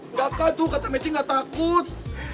enggak kan tuh kata mety gak takut